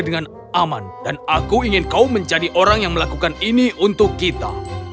dengan aman dan aku ingin kau menjadi orang yang melakukan ini untuk kita